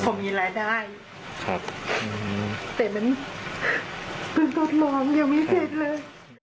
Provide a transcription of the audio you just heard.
แต่มันเพิ่งตอบรองยังไม่เสร็จเลย